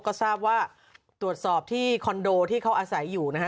ก็ทราบว่าตรวจสอบที่คอนโดที่เขาอาศัยอยู่นะฮะ